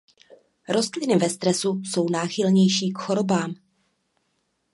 Rostliny ve stresu jsou náchylnější k chorobám.